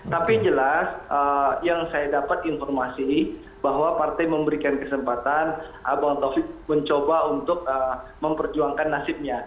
tapi jelas yang saya dapat informasi bahwa partai memberikan kesempatan bang taufik mencoba untuk memperjuangkan nasibnya